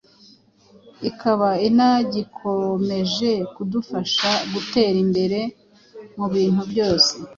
ikaba inagikomeje kudufasha gutera imbere mu bintu byose